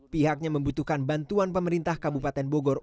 pihaknya membutuhkan bantuan pemerintah kabupaten bogor